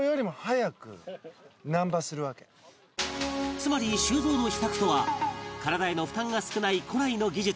つまり修造の秘策とは体への負担が少ない古来の技術